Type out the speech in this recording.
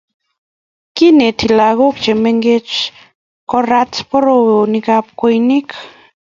kineti lagok che mengechen korat boroiwekab kweyonik